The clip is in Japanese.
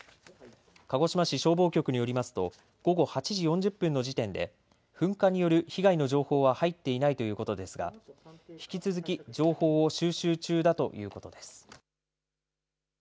鹿児島市消防局によりますと午後８時４０分の時点で噴火による被害の情報は入っていないということですが引き続き情報を収集中だということです。